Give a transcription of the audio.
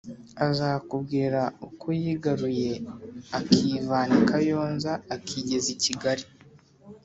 Aza kumbwira uko yigaruye, akivana I kayonza akigeza ikigari